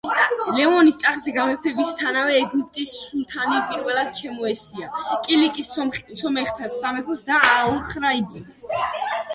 ლევონის ტახტზე გამეფებისთანავე ეგვიპტის სულთანი პირველად შემოესია კილიკიის სომეხთა სამეფოს და ააოხრა იგი.